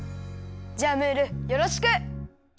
じゃあムールよろしく！